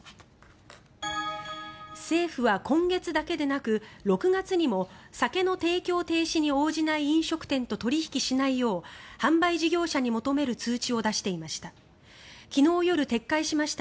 政府は今月だけでなく６月にも酒の提供停止に応じない飲食店と取引しないよう販売事業者に求める通知を出していました。